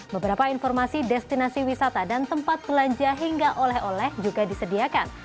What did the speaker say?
beberapa informasi destinasi wisata dan tempat belanja hingga oleh oleh juga disediakan